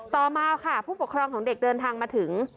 ต่อมาค่ะผู้ปกครองของเด็กเดินทางมาถึง